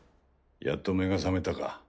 やっと目が覚めたか。